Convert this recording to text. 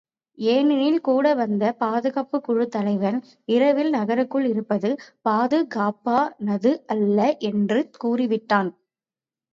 ஏனெனில் கூட வந்த பாதுகாப்புக் குழுத் தலைவன் இரவில் நகருக்குள் இருப்பது பாதுகாப்பானதல்ல என்று கூறிவிட்டான்.